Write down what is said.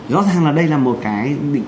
rõ ràng là đây là một cái